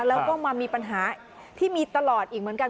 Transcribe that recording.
แล้วก็มามีปัญหาที่มีตลอดอีกเหมือนกัน